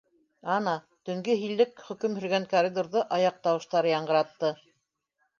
Ана, төнгө һиллек хөкөм һөргән коридорҙы аяҡ тауыштары яңғыратты.